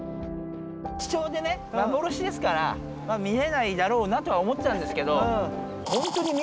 貴重でね幻ですから見れないだろうなとは思ってたんですけど